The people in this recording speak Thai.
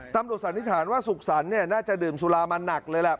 สันนิษฐานว่าสุขสรรค์น่าจะดื่มสุรามาหนักเลยแหละ